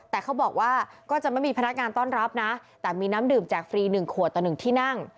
แต่เขาบอกว่าก็จะไม่มีพนักงานต้อนรับนะแต่มีน้ำดื่มแจกฟรี๑ขวดต่อ๑ที่นั่ง